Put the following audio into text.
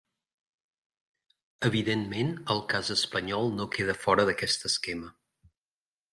Evidentment, el cas espanyol no queda fora d'aquest esquema.